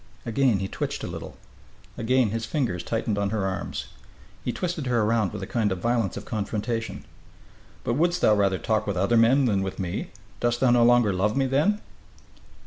Again he twitched a little. Again his fingers tightened on her arms. He twisted her around with a kind of violence of confrontation. "But wouldst thou rather talk with other men than with me? Dost thou no longer love me, then?"